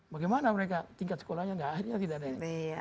bagaimana mereka tingkat sekolahnya akhirnya tidak ada ini